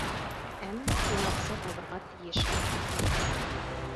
Әммә һин аҡса табырға тейешһең.